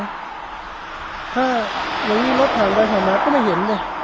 ถ้าเรามีรถผ่านไปขนาดก็ไม่เห็นไหม